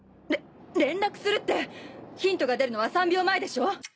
れ連絡するってヒントが出るのは３秒前でしょ！？